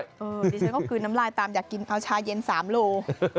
ดิฉันก็กลืนน้ำลายตามอยากกินเอาชาเย็น๓โล